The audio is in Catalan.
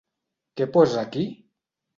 Què posa aquí?